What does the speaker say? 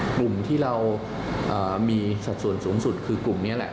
กลุ่มที่เรามีสัดส่วนสูงสุดคือกลุ่มนี้แหละ